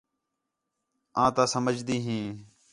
آں تَا سمجھدی ہیں